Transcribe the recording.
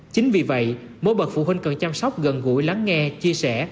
chính vì vậy mỗi bậc phụ huynh cần chăm sóc gần gũi lắng nghe chia sẻ